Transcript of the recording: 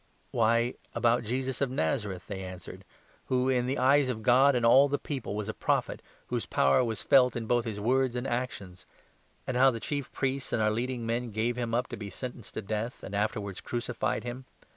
19 " Why, about Jesus of Nazareth," they answered, " who, in the eyes of God and all the people, was a Prophet, whose power was felt in both his words and actions ; and how the 20 Chief Priests and our leading men gave him up to be sentenced to death, and afterwards crucified him.